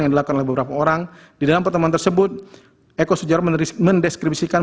yang dilakukan oleh beberapa orang di dalam pertemuan tersebut eko sujar mendeskripsikan